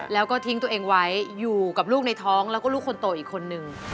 แล้วก็ทิ้งตัวเองไว้อยู่กับลูกในท้องแล้วก็ลูกคนโตอีกคนนึง